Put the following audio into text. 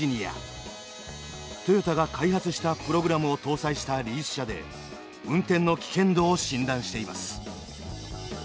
トヨタが開発したプログラムを搭載したリース車で運転の危険度を診断しています。